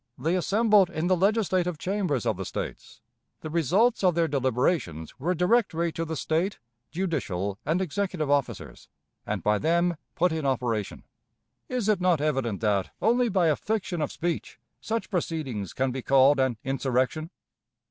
They assembled in the legislative chambers of the States. The results of their deliberations were directory to the State, judicial, and executive officers, and by them put in operation. Is it not evident that, only by a fiction of speech, such proceedings can be called an insurrection?